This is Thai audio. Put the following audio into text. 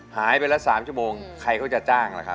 หายไปละ๓ชั่วโมงใครเขาจะจ้างล่ะครับ